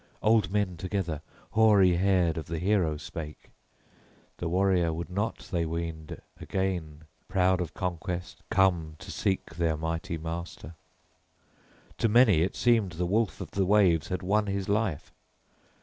Old men together, hoary haired, of the hero spake; the warrior would not, they weened, again, proud of conquest, come to seek their mighty master. To many it seemed the wolf of the waves had won his life.